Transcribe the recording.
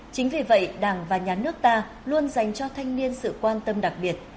chính vì vậy đảng và nhà nước ta luôn dành cho thanh niên sự quan tâm đặc biệt